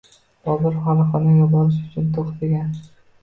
Bobur Fargʻonaga borish uchun to'xtagan